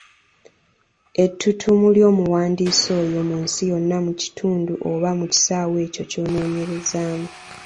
Ettuttumu ly’omuwandiisi oyo mu nsi yonna, mu kitundu oba mu kisaawe ekyo ky’onoonyererezaamu.